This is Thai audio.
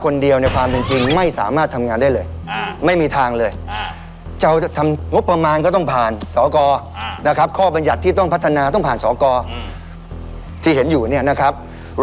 นั้นแทนที่จะทำดึงคนมาอยู่ที่งานอาจจะต้องเอางานออกไปที่หาคนด้วย